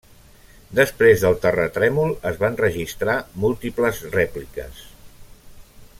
Després del terratrèmol es van registrar múltiples rèpliques.